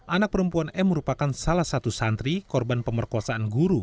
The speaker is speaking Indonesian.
anak perempuan m merupakan salah satu santri korban pemerkosaan guru